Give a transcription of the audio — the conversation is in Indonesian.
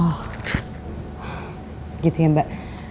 oh gitu ya mbak